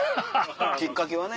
きっかけはね。